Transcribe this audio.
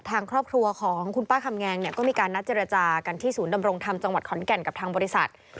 ทางครอบครัวของคุณป้าคำแงงเนี่ยก็มีการนัดเจรจากันที่ศูนย์ดำรงธรรมจังหวัดขอนแก่นกับทางบริษัท